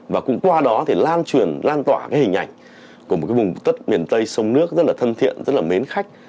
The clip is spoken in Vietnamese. và cũng qua đó lan truyền lan tỏa hình ảnh của một vùng tất miền tây sông nước rất là thân thiện rất là mến khách